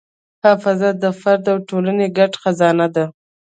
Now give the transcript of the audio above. حافظه د فرد او ټولنې ګډ خزانه ده.